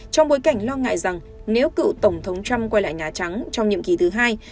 trong bối cảnh lo ngại rằng nếu cựu tổng thống trump quay lại nhà trắng trong nhiệm kỳ thứ hai